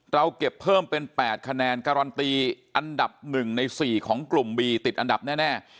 เราเก็บเพิ่มเป็น๘คะแนนการันตีอันดับ๑ใน๔ของกลุ่มบีติดอันดับแน่